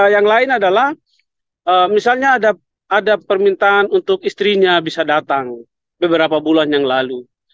yang lain adalah misalnya ada permintaan untuk istrinya bisa datang beberapa bulan yang lalu